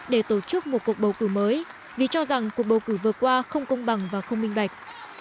để tổ chức một cuộc bầu cử mới vì cho rằng cuộc bầu cử vừa qua không công bằng và không minh bạch